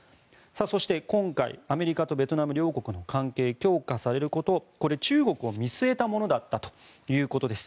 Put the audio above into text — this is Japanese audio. そして、今回アメリカとベトナム両国の関係が強化されることこれ、中国を見据えたものだったということです。